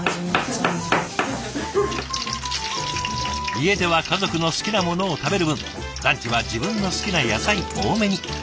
家では家族の好きなものを食べる分ランチは自分の好きな野菜多めに。